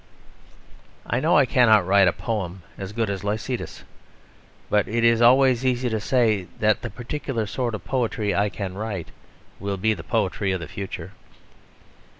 I know I cannot write a poem as good as Lycidas. But it is always easy to say that the particular sort of poetry I can write will be the poetry of the future.